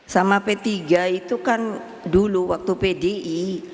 sama p tiga itu kan dulu waktu pdi